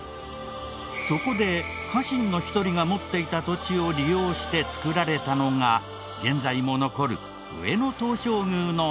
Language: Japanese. そこで家臣の一人が持っていた土地を利用して作られたのが現在も残る上野東照宮の始まり。